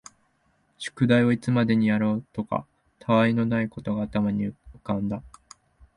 宿題をいつまでにやろうかとか、他愛のないことが頭に浮んだ